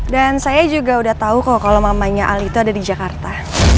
dan saya juga udah tahu kok kalau mamanya ali itu ada di jakarta